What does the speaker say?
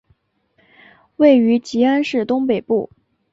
位于吉安市东北部。